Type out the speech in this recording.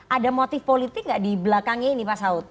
ada motif politik nggak di belakangnya ini pak saud